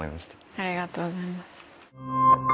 ありがとうございます。